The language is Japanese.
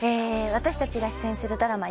私たちが出演するドラマ